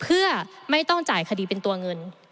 เพื่อไม่ต้องจ่ายคดีเป็นตัวเงิน